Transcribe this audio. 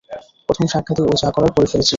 প্রথম সাক্ষাতেই ও যা করার করে ফেলেছিল।